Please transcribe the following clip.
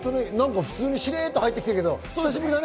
普通に、しれっと入ってきたけど久しぶりだね。